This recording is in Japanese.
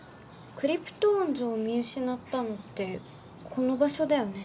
クリプトオンズを見うしなったのってこの場所だよね。